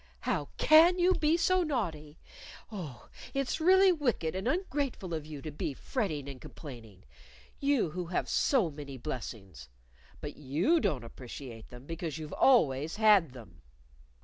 "How can you be so naughty! Oh, it's really wicked and ungrateful of you to be fretting and complaining you who have so many blessings! But you don't appreciate them because you've always had them.